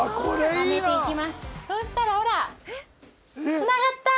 そうしたらほら。